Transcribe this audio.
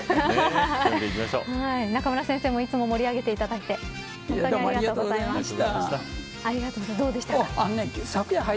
中村先生もいつも盛り上げていただいて本当にありがとうございました。